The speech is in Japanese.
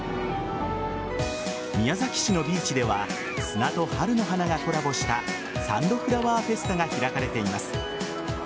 宮崎市のビーチでは砂と春の花がコラボしたサンドフラワーフェスタが開かれています。